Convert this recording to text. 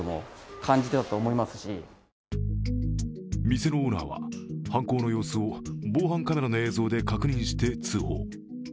店のオーナーは犯行の様子を防犯カメラの映像で確認して通報。